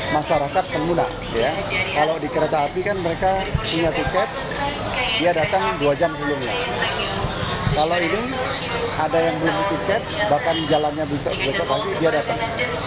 memiliki tiket bahkan jalannya bisa kembali dia datang